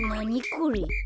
これ。